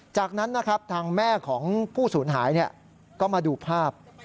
จากนั้นนะครับทางแม่ของผู้สูญหายก็มาดูภาพ